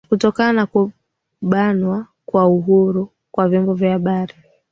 kutokana na kubanwa kwa uhuru kwa vyombo vya habari